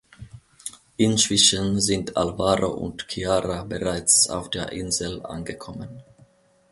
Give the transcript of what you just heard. Inzwischen sind Alvaro und Chiara bereits auf der Insel angekommen.